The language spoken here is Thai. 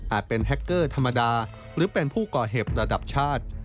เป็นแฮคเกอร์ธรรมดาหรือเป็นผู้ก่อเหตุระดับชาติ